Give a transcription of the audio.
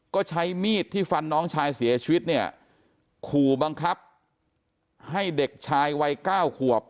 ก็ใช้มีดที่ฟันน้องชายเสียชีวิตเนี่ยขู่บังคับให้เด็กชายวัยเก้าขวบ